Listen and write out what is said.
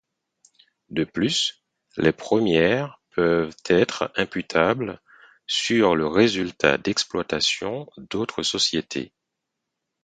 De plus, les premières peuvent être imputables sur le résultat d’exploitation d'autres sociétés.